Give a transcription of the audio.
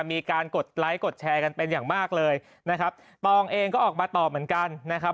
มีการกดไลค์กดแชร์กันเป็นอย่างมากเลยนะครับตองเองก็ออกมาตอบเหมือนกันนะครับ